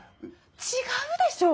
違うでしょ！